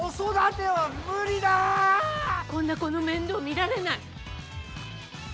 こんな子の面倒見られない。